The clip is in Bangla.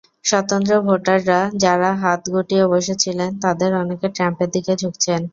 স্বতন্ত্র ভোটাররা, যাঁরা হাত গুটিয়ে বসে ছিলেন, তাঁদের অনেকে ট্রাম্পের দিকে ঝুঁকছেন।